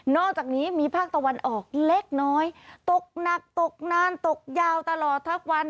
อกจากนี้มีภาคตะวันออกเล็กน้อยตกหนักตกนานตกยาวตลอดทั้งวัน